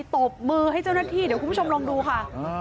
ตบมือให้เจ้าหน้าที่เดี๋ยวคุณผู้ชมลองดูค่ะ